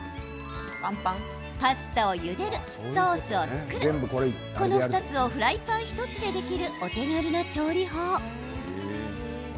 パスタをゆでる、ソースを作るこの２つをフライパン１つでできるお手軽な調理法。